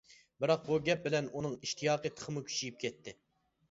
بىراق بۇ گەپ بىلەن ئۇنىڭ ئىشتىياقى تېخىمۇ كۈچىيىپ كەتتى.